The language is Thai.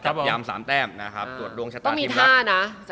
เอาด้วยนะครับหรือจับยาม๓แต้ม